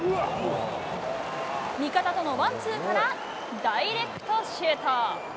味方とのワンツーからダイレクトシュート。